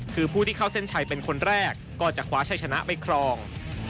คือผู้ที่เข้าเส้นชัยเป็นคนแรกก็จะคว้าชัยชนะไปครอง